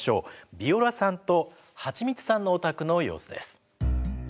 ビオラさんとはちみつさんのお宅の様子です。